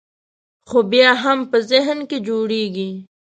خو بیا هم په ذهن کې جوړېږي.